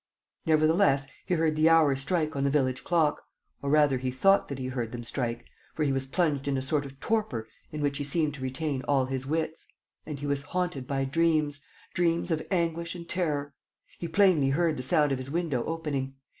Nevertheless, he heard the hours strike on the village clock, or rather he thought that he heard them strike, for he was plunged in a sort of torpor in which he seemed to retain all his wits. And he was haunted by dreams, dreams of anguish and terror. He plainly heard the sound of his window opening.